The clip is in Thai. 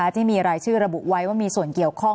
ที่มีรายชื่อระบุไว้ว่ามีส่วนเกี่ยวข้อง